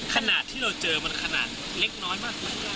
ขณะที่เราเจอมันขนาดเล็กน้อยมาก